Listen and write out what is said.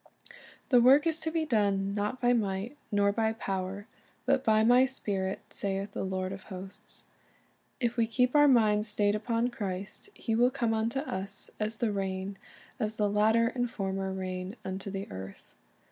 The work is to be done, "not by might, nor by power, but by My Spirit, saith the Lord of hosts."' If we keep our minds stayed upon Christ, He will come unto us "as the rain, as the latter and former rain unto the earth."